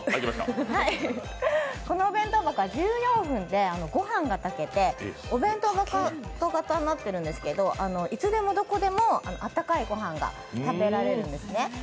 このお弁当箱は１４分でご飯が炊けてお弁当型になってるんですけどいつでもどこでも温かいご飯が食べられるんですね。